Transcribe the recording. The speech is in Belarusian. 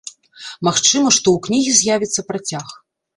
Магчыма, што ў кнігі з'явіцца працяг.